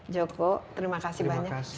joko terima kasih banyak selamat hari film nasional